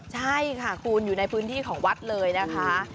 ใช่ค่ะคุณอยู่ในพื้นที่ของวัดเลยนะคะ